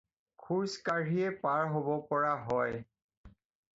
খোজ কাঢ়িয়েই পাৰ হ'ব পৰা হয়।